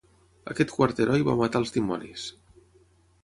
Aquest quart heroi va matar als dimonis.